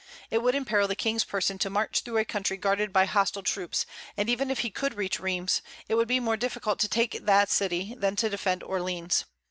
It would imperil the King's person to march through a country guarded by hostile troops; and even if he could reach Rheims, it would be more difficult to take the city than to defend Orleans.